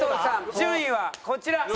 順位はこちら。